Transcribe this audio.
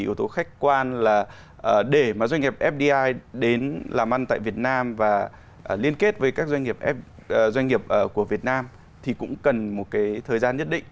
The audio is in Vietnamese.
yếu tố khách quan là để mà doanh nghiệp fdi đến làm ăn tại việt nam và liên kết với các doanh nghiệp của việt nam thì cũng cần một cái thời gian nhất định